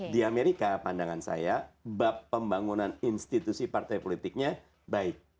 di amerika pandangan saya bab pembangunan institusi partai politiknya baik